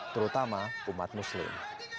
terutama umat muslim